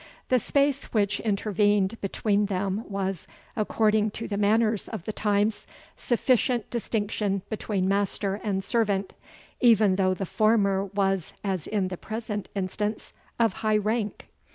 The space which intervened between them was, according to the manners of the times, sufficient distinction between master and servant, even though the former was, as in the present instance, of high rank.